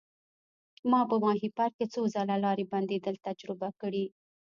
ما په ماهیپر کې څو ځله لارې بندیدل تجربه کړي.